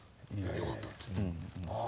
よかったっつって。